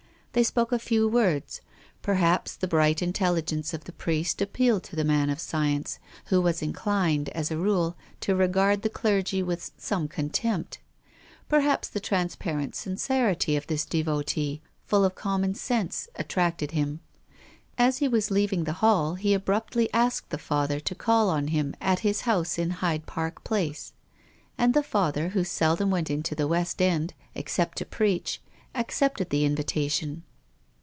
They spoke a few words. Perhaps the bright intelligence of the priest ap pealed to the man of science, who was inclined, as a rule, to regard the clergy with some con tempt. Perhaps the transparent sincerity of this devotee, full of common sense, attracted him. As he was leaving the hall he abruptly asked the Father to call on him at his house in Hyde Park Place. And the Father, who seldom went into the West End, except to preach, accepted the invitation.